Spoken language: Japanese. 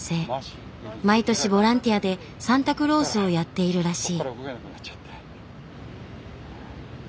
毎年ボランティアでサンタクロースをやっているらしい。